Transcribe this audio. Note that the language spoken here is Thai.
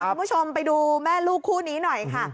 คุณผู้ชมไปดูแม่ลูกคู่นี้หน่อยค่ะ